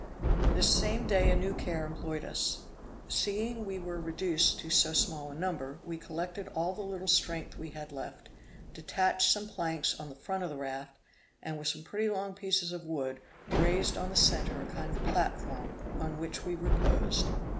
This same day a new care employed us. Seeing we were reduced to so small a number, we collected all the little strength we had left, detached some planks on the front of the raft, and, with some pretty long pieces of wood, raised on the centre a kind of platform, on which we reposed.